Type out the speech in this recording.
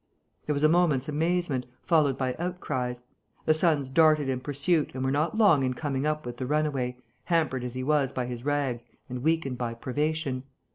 There was a moment's amazement, followed by outcries. The sons darted in pursuit and were not long in coming up with the runaway, hampered as he was by his rags and weakened by privation.